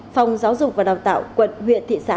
phòng giáo dục và đào tạo quận huyện thị xã